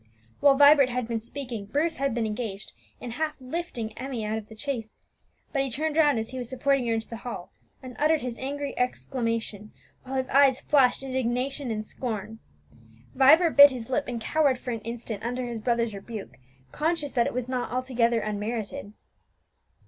While Vibert had been speaking, Bruce had been engaged in half lifting Emmie out of the chaise; but he turned round as he was supporting her into the hall, and uttered his angry exclamation, while his eyes flashed indignation and scorn. Vibert bit his lip and cowered for an instant under his brother's rebuke, conscious that it was not altogether unmerited.